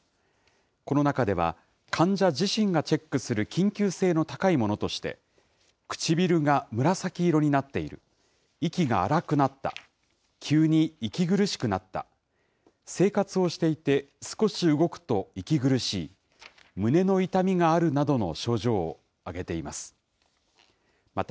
この中では、患者自身がチェックする緊急性の高いものとして、唇が紫色になっている、息が荒くなった、急に息苦しくなった、生活をしていて、少し動くと息苦しい、胸の痛みがあるなどの症状を挙げています。